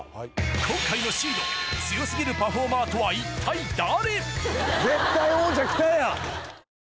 今回のシード強すぎるパフォーマーとは一体誰？